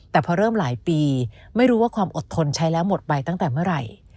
แต่พอเริ่มหลายปีไม่รู้ว่าความอดทนใช้แล้วหมดไปตั้งแต่เมื่อไหร่